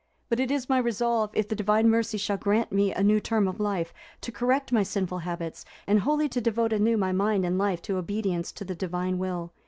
But it is my resolve, if the Divine Mercy shall grant me a new term of life, to correct my sinful habits, and wholly to devote anew my mind and life to obedience to the Divine will.